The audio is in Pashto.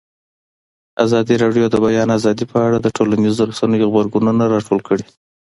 ازادي راډیو د د بیان آزادي په اړه د ټولنیزو رسنیو غبرګونونه راټول کړي.